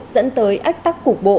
dẫn tới ách tắc cục bộ